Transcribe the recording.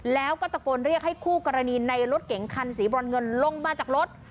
แล้วก็ตะโกนเรียกให้คู่กรณีในรถเก๋งคันสีบรอนเงินลงมาจากรถ